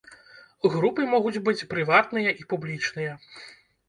Групы могуць быць прыватныя і публічныя.